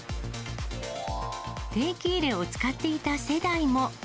定期入れを使っていた世代も。